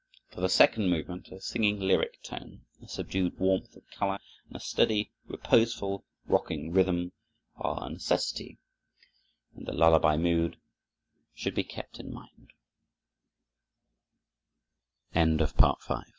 For the second movement, a singing lyric tone, a subdued warmth of color, and a steady, reposeful, rocking rhythm are a necessity, and the lullaby mood should be kept